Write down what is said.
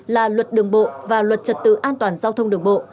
là luật đường bộ và luật trật tự an toàn giao thông đường bộ